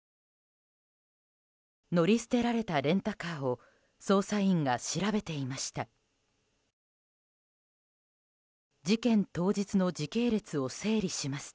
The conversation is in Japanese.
乗り捨てられたレンタカーを捜査員が調べていました。